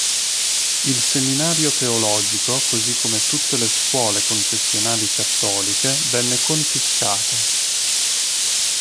Il seminario teologico, così come tutte le scuole confessionali cattoliche, venne confiscato.